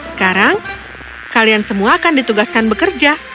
sekarang kalian semua akan ditugaskan bekerja